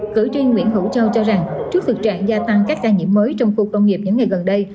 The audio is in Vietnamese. cử tri nguyễn hữu châu cho rằng trước thực trạng gia tăng các ca nhiễm mới trong khu công nghiệp những ngày gần đây